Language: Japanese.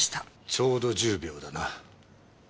ちょうど１０秒だな。